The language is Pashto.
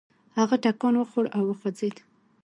هغه ټکان وخوړ او وخوځېد.